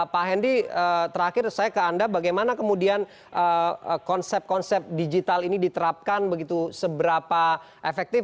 pak hendi terakhir saya ke anda bagaimana kemudian konsep konsep digital ini diterapkan begitu seberapa efektif